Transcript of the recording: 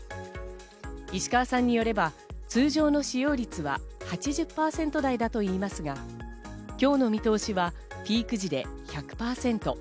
石川さんによれば通常の使用率は８０％台だといいますが、今日の見通しはピーク時で１００％。